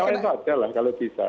kalau itu saja lah kalau bisa